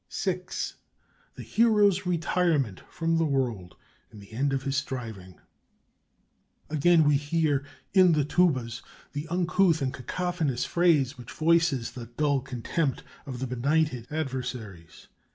VI. THE HERO'S RETIREMENT FROM THE WORLD, AND THE END OF HIS STRIVING Again we hear, in the tubas, the uncouth and cacophonous phrase which voices the dull contempt of the benighted adversaries.